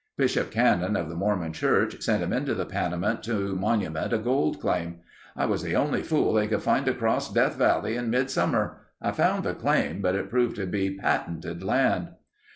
Bishop Cannon of the Mormon Church sent him into the Panamint to monument a gold claim. "I was the only fool they could find to cross Death Valley in mid summer. I found the claim but it proved to be patented land."